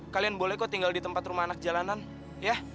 kalian boleh kok tinggal di tempat rumah anak jalanan ya